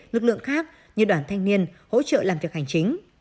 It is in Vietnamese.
lực lượng khác như đoàn thanh niên hỗ trợ làm việc hành chính